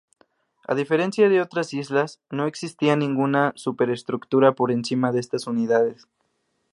A diferencia de otras islas, no existía ninguna superestructura por encima de estas unidades.